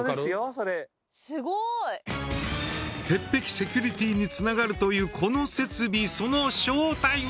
それすごい鉄壁セキュリティーにつながるというこの設備その正体は！